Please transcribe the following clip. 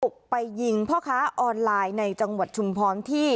ไปยิงพ่อค้าออนไลน์ในจังหวัดชุมพรที่